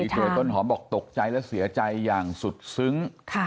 ตัวต้นหอมบอกตกใจและเสียใจอย่างสุดซึ้ง